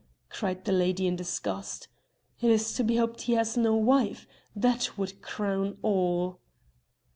cried the lady in disgust. "It is to be hoped he has no wife, that would crown all."